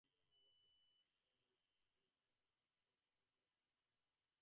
কিছুদিন আগে সোনমের বাবা অনিল কাপুরের জন্মদিনের পার্টিতেও দেখা গিয়েছিল আনন্দকে।